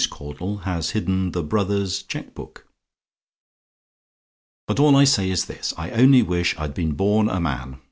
CAUDLE HAS HIDDEN THE "BROTHER'S" CHEQUE BOOK "But all I say is this: I only wish I'd been born a man.